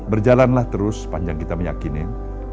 berjalanlah terus sepanjang kita meyakini